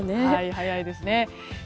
早いですね。